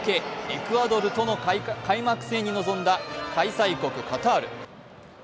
エクアドルとの開幕戦に臨んだ開催国カタール。